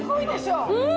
うん！